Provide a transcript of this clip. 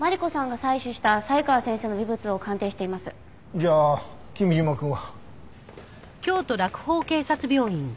じゃあ君嶋くんは？